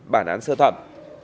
bản án sơ thẩm